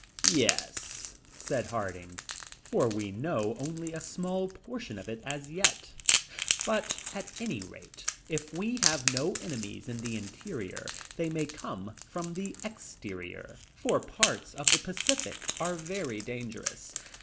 "Yes," said Harding, "for we know only a small portion of it as yet. But at any rate, if we have no enemies in the interior, they may come from the exterior, for parts of the Pacific are very dangerous.